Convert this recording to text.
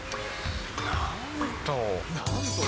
なんと。